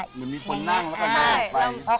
มันมีคนนั่งและเดินเดินไป